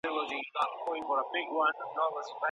که چلوونکي ترافیکي اصول رعایت کړي، نو ټکر نه کیږي.